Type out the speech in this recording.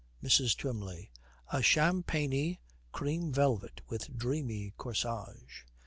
MRS. TWYMLEY. 'A champagny cream velvet with dreamy corsage.